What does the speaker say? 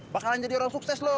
bakalan jadi orang sukses loh